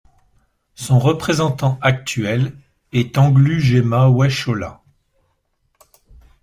Son représentant actuel est Anglu Jema Weshola.